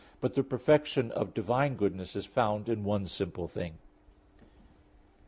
But the perfection of divine goodness is found in one simple thing (QQ.